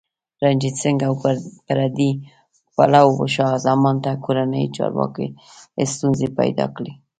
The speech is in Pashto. رنجیت سنګ او پردي پلوو شاه زمان ته کورنیو چارو کې ستونزې پیدا کړې.